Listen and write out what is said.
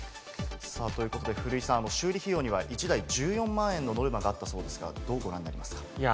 ということで古井さん、修理費用には１台１４万円のノルマがあったそうですが、どうご覧になりますか？